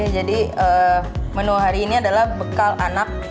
jadi menu hari ini adalah bekal anak